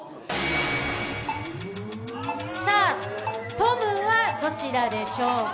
トムは、どちらでしょうか。